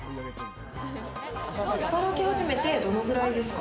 働き始めてどのくらいですか？